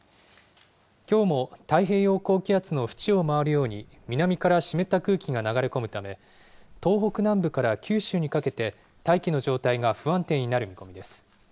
きょうも太平洋高気圧の縁を回るように、南から湿った空気が流れ込むため、東北南部から九州にかけて、大気の状態が不安定になる見込みです。